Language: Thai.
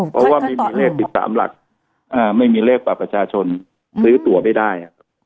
เพราะว่าไม่มีเลข๑๓หลักไม่มีเลขบัตรประชาชนซื้อตัวไม่ได้